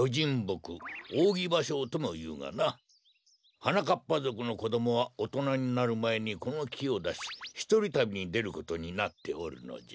はなかっぱぞくのこどもはおとなになるまえにこのきをだしひとりたびにでることになっておるのじゃ。